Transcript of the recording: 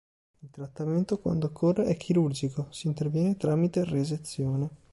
Il trattamento, quando occorre, è chirurgico; si interviene tramite resezione.